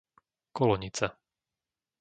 Kolonica